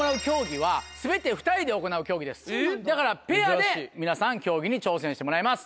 だからペアで皆さん競技に挑戦してもらいます。